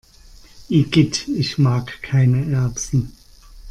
Igitt, ich mag keine Erbsen!